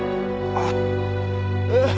あっあっ。